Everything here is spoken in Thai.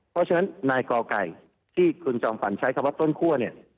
เพราะฉะนั้นนายกอไก่ที่คุณจอมขวัญใช้คำว่าต้นคั่วเนี่ย